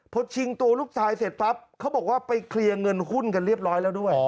พอชิงตัวลูกชายเสร็จปั๊บเขาบอกว่าไปเคลียร์เงินหุ้นกันเรียบร้อยแล้วด้วย